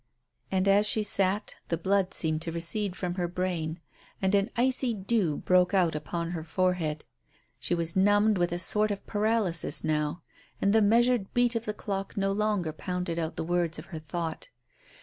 And as she sat the blood seemed to recede from her brain and an icy dew broke out upon her forehead. She was numbed with a sort of paralysis now, and the measured beat of the clock no longer pounded out the words of her thought.